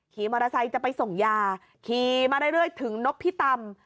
ขี่มอเตอร์ไซค์จะไปส่งยาขี่มาเรื่อยถึงนกพิตำ